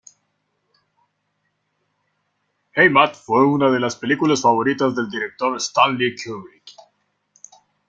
Heimat fue una de las películas favoritas del director Stanley Kubrick.